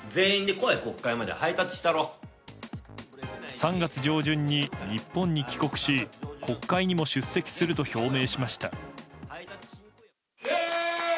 ３月上旬に日本に帰国し国会にも出席すると表明しました。